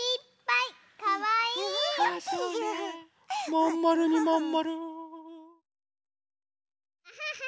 まんまるにまんまる。